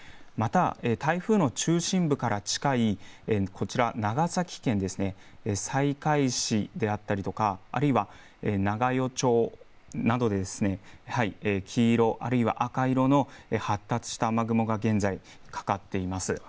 台風の中心部から近いこちら長崎県西海市であったりとか長与町などで黄色あるいは赤色の発達した雨雲が現在かかっています。